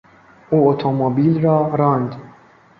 او اتومبیل را راند.